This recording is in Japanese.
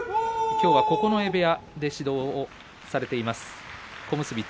きょうは九重部屋で指導をされています